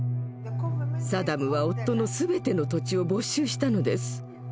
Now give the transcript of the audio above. サダムは夫の全ての土地を没収したのです。